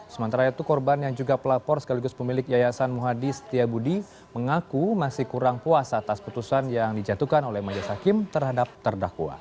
sementara itu korban yang juga pelapor sekaligus pemilik yayasan muhadi setiabudi mengaku masih kurang puas atas putusan yang dijatuhkan oleh majelis hakim terhadap terdakwa